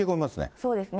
そうですね。